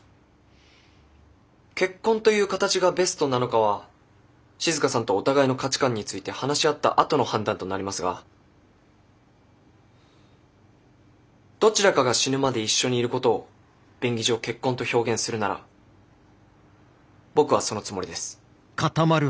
結婚という形がベストなのかは静さんとお互いの価値観について話し合ったあとの判断となりますがどちらかが死ぬまで一緒にいることを便宜上結婚と表現するなら僕はそのつもりです。